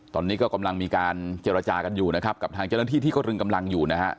ตอนนี้ก็กำลังมีการเจรจากันอยู่นะครับกับทางเจ้าหน้าที่ที่เขาตรึงกำลังอยู่นะฮะ